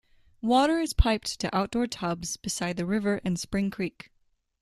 Water is piped to outdoor tubs beside the river and Spring Creek.